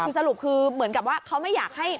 คือสรุปคือเหมือนกับว่าเขาไม่อยากให้